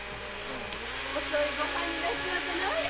遅い御飯になっちまったない。